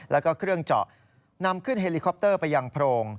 แล้วก็เครื่องเจาะนำขึ้นเฮลิคอปเตอร์ไปยังโพรง